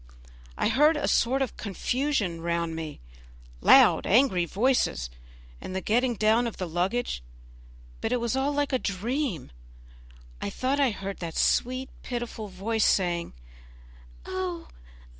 I heard a sort of confusion round me, loud, angry voices, and the getting down of the luggage, but it was all like a dream. I thought I heard that sweet, pitiful voice saying, "Oh!